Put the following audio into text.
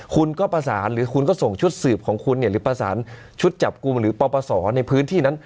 คุณก็ประสานหรือคุณก็ส่งชุดสืบของคุณเนี่ยหรือประสานชุดจับกลุ่มหรือปปศในพื้นที่นั้น